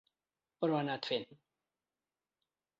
Però ha anat fent.